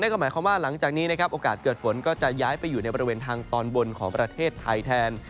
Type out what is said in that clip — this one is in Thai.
ก็หมายความว่าหลังจากนี้นะครับโอกาสเกิดฝนก็จะย้ายไปอยู่ในบริเวณทางตอนบนของประเทศไทยแทน